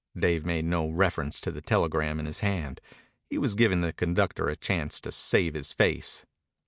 Dave made no reference to the telegram in his hand. He was giving the conductor a chance to save his face.